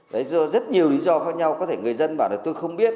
đấy do rất nhiều lý do khác nhau có thể người dân bảo là tôi không biết